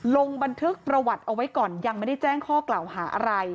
ลงบันทึกประวัติเอาไว้ก่อนยังไม่ได้แจ้งข้อกล่าวหาอะไร